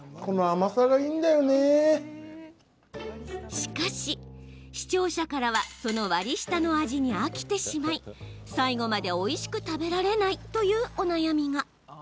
しかし、視聴者からはその割り下の味に飽きてしまい最後までおいしく食べられないというお悩みが。